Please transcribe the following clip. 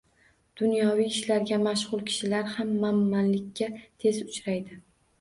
Dunyoviy ishlarga mashg`ul kishilar ham manmanlikka tez uchraydi